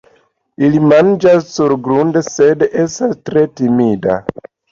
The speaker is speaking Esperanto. Ili manĝas surgrunde, sed estas tre timida.